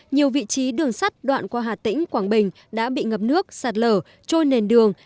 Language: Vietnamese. nhiều vị trí đường sắt đoạn qua hà tĩnh quảng bình đã bị ngập nước sạt lở trôi nền đường